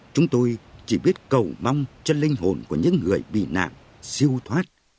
chúng tôi chỉ biết cầu mong cho linh hồn của những người bị nạn siêu thoát